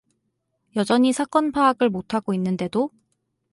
여전히 사건 파악을 못 하고 있는데도?